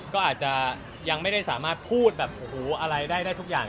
ก็อาจจะยังไม่ได้สามารถพูดแบบโอ้โหอะไรได้ทุกอย่าง